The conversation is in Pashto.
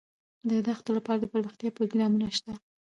د دښتو لپاره دپرمختیا پروګرامونه شته.